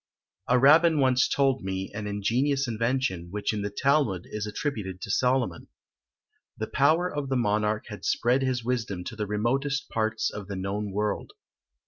A Rabbin once told me an ingenious invention, which in the Talmud is attributed to Solomon. The power of the monarch had spread his wisdom to the remotest parts of the known world.